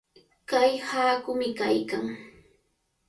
Kay haakumi kaykan.